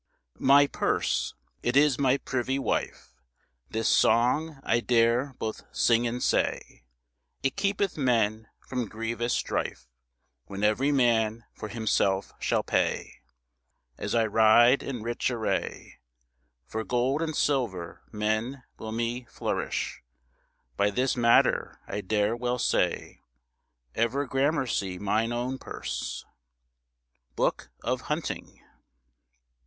My purse, it is my privy wyfe, This song I dare both syng and say, It keepeth men from grievous stryfe When every man for hymself shall pay. As I ryde in ryche array For gold and sylver men wyll me floryshe; By thys matter I dare well saye, Ever gramercy myne owne purse. BOOK OF HUNTING.